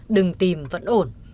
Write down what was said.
đừng tìm vẫn ổn